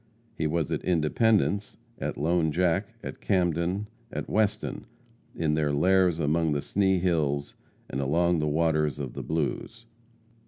He was at Independence; at Lone Jack; at Camden; at Weston; in their lairs among the Sni Hills, and along the waters of the Blues.